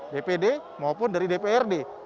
dpd maupun dari dprd